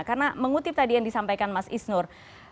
karena mengutip tadi yang disampaikan mas isnur